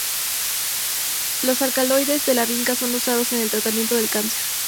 Los alcaloides de la vinca son usados en el tratamiento del cáncer.